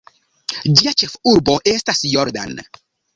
Ĝia ĉefurbo estas "Jordan".